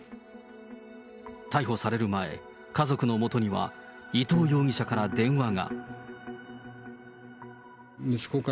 逮捕される前、家族のもとには、伊藤容疑者から電話が。